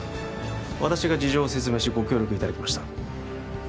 私が事情を説明しご協力いただきました